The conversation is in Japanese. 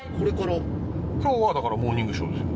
今日はだから『モーニングショー』ですよ。